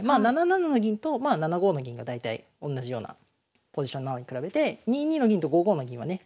７七の銀と７五の銀が大体おんなじようなポジションなのに比べて２二の銀と５五の銀はね